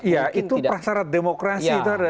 ya itu pasarat demokrasi